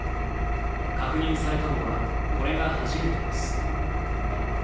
確認されたのはこれが初めてです。